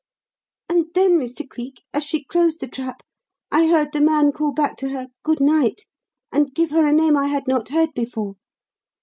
And then, Mr. Cleek, as she closed the trap I heard the man call back to her 'Good night' and give her a name I had not heard before.